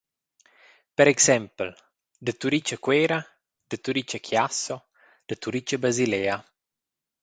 Per exempel: da Turitg a Cuera, da Turitg a Chiasso, da Turitg a Basilea.